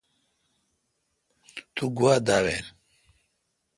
تو گوا دا وین۔